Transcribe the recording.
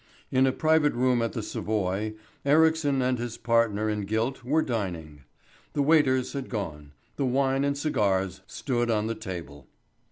In a private room at the Savoy Ericsson and his partner in guilt were dining. The waiters had gone, the wine and cigars stood on the table.